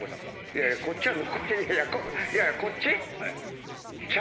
いやいやこっちはいやいやこっち？